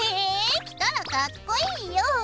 え着たらかっこいいよ！